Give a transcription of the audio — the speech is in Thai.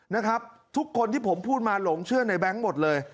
นะครับทุกคนที่ผมพูดมาหลงเชื่อในแง๊งหมดเลย